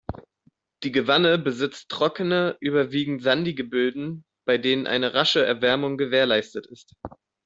Die Gewanne besitzt trockene, überwiegend sandige Böden, bei denen eine rasche Erwärmung gewährleistet ist.